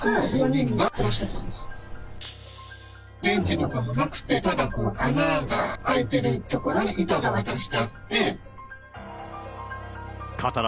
便器とかもなくて、ただ穴が開いてる所に板が渡してあって。